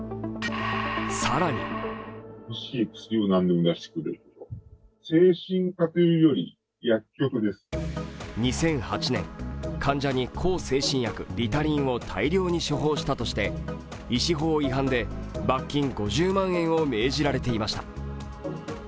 更に２００８年、患者に向精神薬リタリンを大量に処方したとして医師法違反で罰金５０万円を命じられていました。